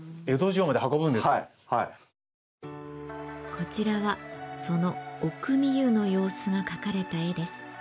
こちらはその御汲湯の様子が描かれた絵です。